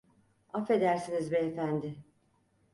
Affedersiniz beyefendi.